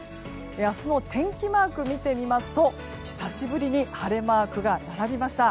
明日の天気マークを見てみますと久しぶりに晴れマークが並びました。